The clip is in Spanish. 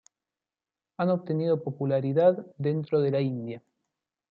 Han obtenido popularidad dentro de la India.